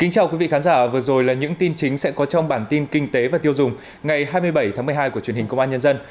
chào mừng quý vị đến với bản tin kinh tế và tiêu dùng ngày hai mươi bảy tháng một mươi hai của truyền hình công an nhân dân